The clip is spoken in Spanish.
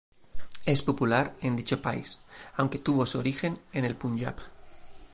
Es popular en dicho país, aunque tuvo su origen en el Punyab.